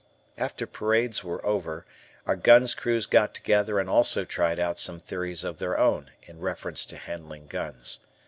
After parades were over, our guns' crews got together and also tried out some theories of their own in reference to handling guns.